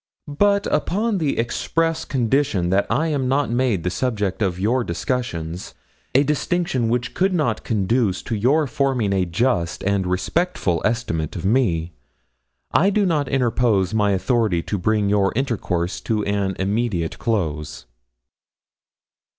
But upon the express condition that I am not made the subject of your discussions a distinction which could not conduce to your forming a just and respectful estimate of me I do not interpose my authority to bring your intercourse to an immediate close.'